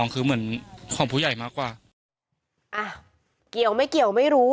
เกี่ยวไม่เกี่ยวไม่รู้